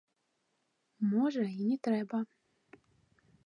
Можа, і не трэба.